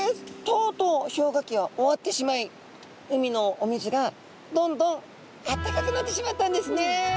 とうとう氷河期は終わってしまい海のお水がどんどんあったかくなってしまったんですね。